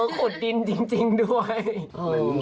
ขุดดินจริงด้วย